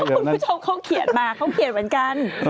คุณผู้ชมเขาเขียนมาเขาเขียนเหมือนกัน